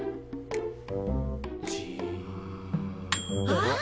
あっ！